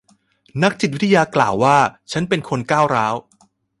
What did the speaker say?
นักจิตวิทยากล่าวว่าฉันเป็นคนก้าวร้าว